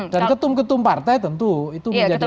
dan ketum ketum partai tentu itu menjadi